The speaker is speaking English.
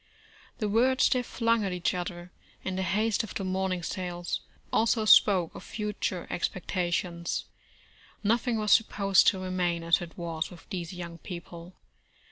The words they flung at each other, in the haste of the morning sales, also spoke of future expectations. Nothing was supposed to remain as it was with these young people.